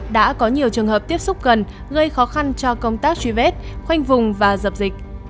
đã có nhiều trường hợp tiếp xúc gần gây khó khăn cho công tác truy vết khoanh vùng và dập dịch